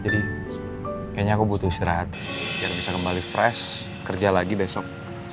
jadi kayaknya aku butuh istirahat biar bisa kembali fresh kerja lagi besok